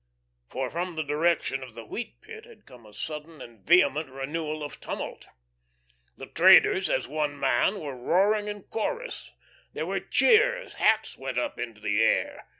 For from the direction of the Wheat Pit had come a sudden and vehement renewal of tumult. The traders as one man were roaring in chorus. There were cheers; hats went up into the air.